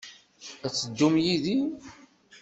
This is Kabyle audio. Ad teddumt yid-i?